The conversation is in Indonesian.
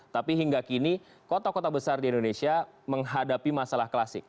tapi hingga kini kota kota besar di indonesia menghadapi masalah klasik